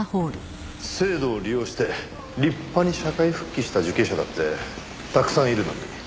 制度を利用して立派に社会復帰した受刑者だってたくさんいるのに。